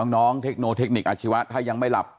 เทคโนเทคนิคอาชีวะถ้ายังไม่หลับ